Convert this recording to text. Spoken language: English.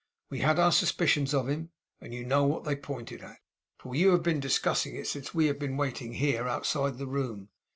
We had our suspicions of him; and you know what they pointed at, for you have been discussing it since we have been waiting here, outside the room.